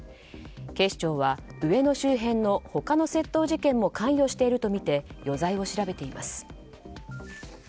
警視庁は上野周辺の他の窃盗事件も関与しているとみて余罪を調べています。